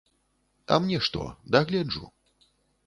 А мне што, дагледжу.